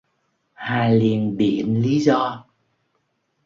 Hà liền biện lý do